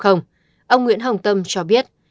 ông nguyễn hồng tâm cho biết